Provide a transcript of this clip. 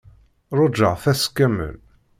Ṛujaɣ-t ass kamel.